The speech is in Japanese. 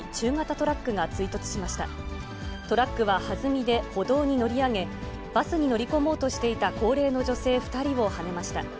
トラックは弾みで歩道に乗り上げ、バスに乗り込もうとしていた高齢の女性２人をはねました。